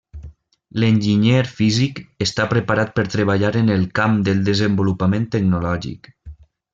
L'enginyer físic està preparat per treballar en el camp del desenvolupament tecnològic.